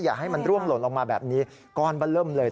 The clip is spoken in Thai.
อย่าให้มันร่วงหล่นลงมาแบบนี้ก้อนบะเริ่มเลย